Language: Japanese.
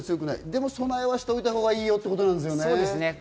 でも備えはしておいたほうがいいよということですね。